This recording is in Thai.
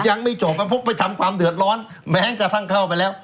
ยังไม่จบมันพกไปทำความเดือดร้อนแม้กระทั่งเข้าไปแล้ว